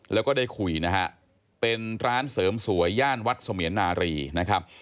แล้วก็ได้คุยนะฮะเป็นร้านเสริมสวยย่านวัดเสมียนนารีนะครับ